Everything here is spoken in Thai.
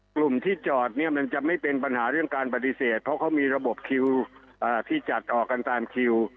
กลุ่มที่จอดเนี่ยมันจะไม่เป็นปัญหาเรื่องการปฏิเสธเพราะเขามีระบบคิวที่จัดออกกันตามคิว